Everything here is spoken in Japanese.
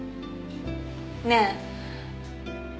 ねえ。